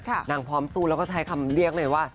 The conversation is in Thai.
นางพร้อมสู้แล้วก็ใช้คำเรียกเลยว่า